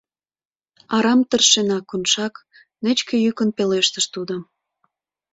— Арам тыршена, Коншак, — нечке йӱкын пелештыш тудо.